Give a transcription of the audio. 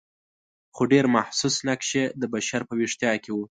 خو ډېر محسوس نقش یې د بشر په ویښتیا کې و.